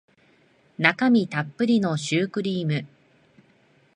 中身たっぷりのシュークリーム